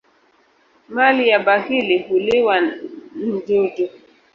Mali ya bakhili huliwa n'dudu